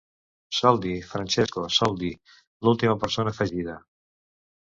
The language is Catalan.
Soldi, Francesco Soldi... l'última persona afegida.